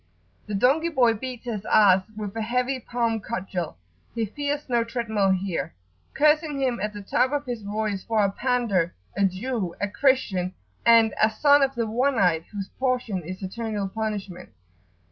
The donkey boy beats his ass with a heavy palm cudgel, he fears no treadmill here, cursing him at the top of his voice for a "pander," a "Jew," a "Christian," and a "son of the One eyed, whose portion is Eternal Punishment."